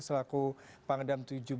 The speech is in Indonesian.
selaku pangdam tujuh belas